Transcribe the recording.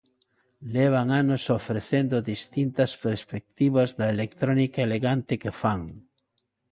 Levan anos ofrecendo distintas perspectivas da electrónica elegante que fan.